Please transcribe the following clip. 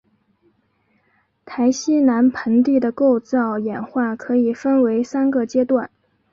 台西南盆地的构造演化可以分为三个阶段。